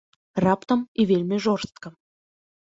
Раптам і вельмі жорстка.